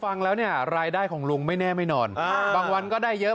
ฟังแล้วเนี่ยรายได้ของลุงไม่แน่ไม่นอนบางวันก็ได้เยอะ